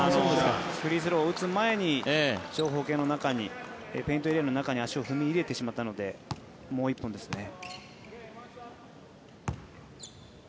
フリースローを打つ前に長方形の中にペイントエリアの中に足を踏み入れてしまったのでもう１本ですね。